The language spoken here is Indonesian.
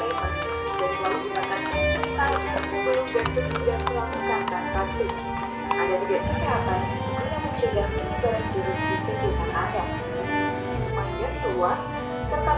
ada tiga kesempatan yang mencengang penyambaran jurus di sini dengan ayat